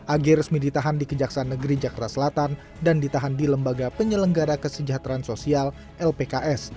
ag resmi ditahan di kejaksaan negeri jakarta selatan dan ditahan di lembaga penyelenggara kesejahteraan sosial lpks